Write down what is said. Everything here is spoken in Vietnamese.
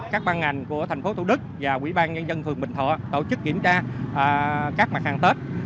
các ban ngành của tp thủ đức và quỹ ban nhân dân tp hcm tổ chức kiểm tra các mặt hàng tết